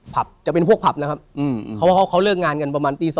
ผับจะเป็นพวกผับนะครับเขาเลิกงานกันประมาณตี๒